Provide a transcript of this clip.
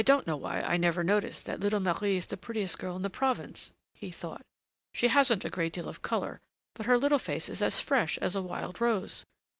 ] "I don't know why I never noticed that little Marie is the prettiest girl in the province!" he thought. "She hasn't a great deal of color, but her little face is as fresh as a wild rose!